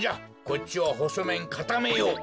こっちはほそめんかためよう。